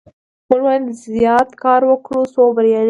موږ باید زیات کار وکړو څو بریالي شو.